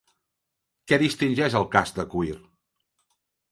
Què distingeix el casc de cuir?